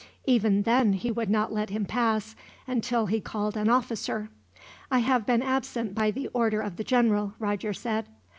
Even then he would not let him pass, until he called an officer. "I have been absent by the order of the general," Roger said.